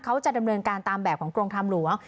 เขาจะดำเนินการตามแบบของกรมทางหลวง